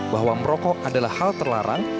bahwa merokok adalah hal terlarang